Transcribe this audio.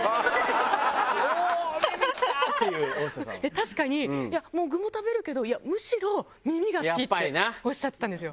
確かに「いや具も食べるけどむしろ耳が好き」っておっしゃってたんですよ。